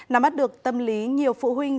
nắm mắt được tâm lý nhiều phụ huynh